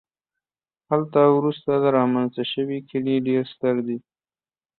هلته وروسته رامنځته شوي کلي ډېر ستر دي